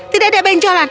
tidak ada benjolan